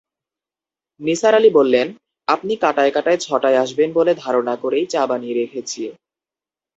নিসার আলি বললেন, আপনি কাঁটায়-কাঁটায় ছটায় আসবেন বলে ধারণা করেই চা বানিয়ে রেখেছি।